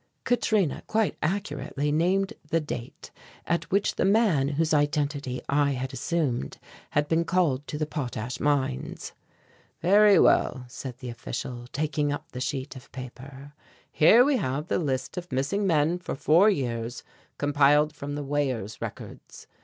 Katrina quite accurately named the date at which the man whose identity I had assumed had been called to the potash mines. "Very well," said the official, taking up the sheet of paper, "here we have the list of missing men for four years compiled from the weighers' records.